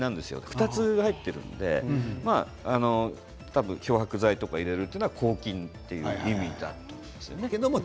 ２つ入っているので漂白剤とか入れるというのは抗菌という意味だと思います。